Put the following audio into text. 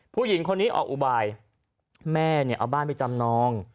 ผู้หญิงคนนี้ออกอุบายแม่เนี่ยเอาบ้านไปจำนอง